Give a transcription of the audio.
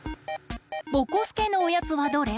ぼこすけのおやつはどれ？